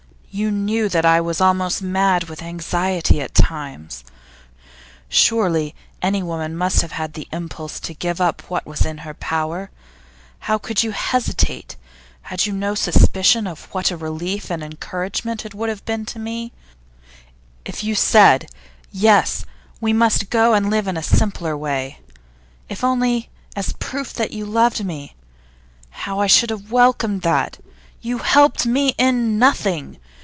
You knew that I was almost mad with anxiety at times. Surely, any woman must have had the impulse to give what help was in her power. How could you hesitate? Had you no suspicion of what a relief and encouragement it would be to me, if you said: "Yes, we must go and live in a simpler way?" If only as a proof that you loved me, how I should have welcomed that! You helped me in nothing.